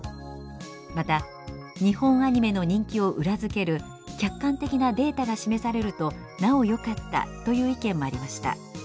また「日本アニメの人気を裏付ける客観的なデータが示されるとなおよかった」という意見もありました。